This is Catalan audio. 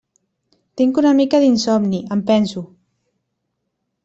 Tinc una mica d'insomni, em penso.